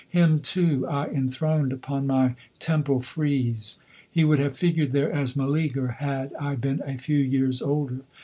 Him, too, I enthroned upon my temple frieze; he would have figured there as Meleager had I been a few years older.